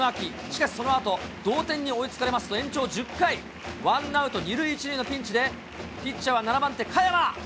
しかしそのあと同点に追いつかれますと、延長１０回、ワンアウト２塁１塁のピンチで、ピッチャーは７番手、嘉弥真。